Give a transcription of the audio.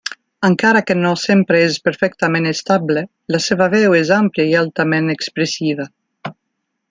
Encara que no sempre és perfectament estable, la seva veu és àmplia i altament expressiva.